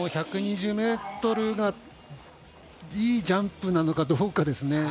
１２０ｍがいいジャンプなのかどうかですね。